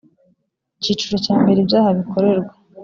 icyiciro cya mbere ibyaha bikorerwa